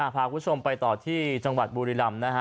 ภาพวุดชมไปต่อที่จังหวัดบุรีรัมน์นะฮะ